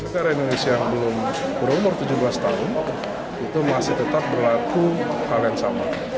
negara indonesia yang belum berumur tujuh belas tahun itu masih tetap berlaku hal yang sama